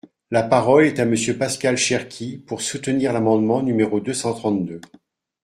La parole est à Monsieur Pascal Cherki, pour soutenir l’amendement numéro deux cent trente-deux.